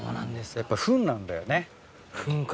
やっぱフンなんだよね。